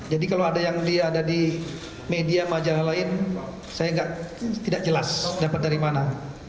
jadi kalau ada yang ada di media majalah lain saya tidak jelas dapat dari mana